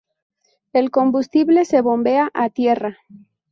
El combustible se bombea a tierra.